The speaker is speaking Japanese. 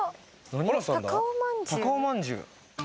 高尾まんじゅう。